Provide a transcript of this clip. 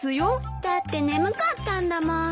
だって眠かったんだもん。